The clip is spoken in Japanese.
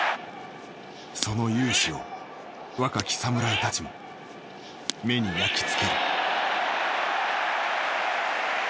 その雄姿を若き侍たちも目に焼き付ける。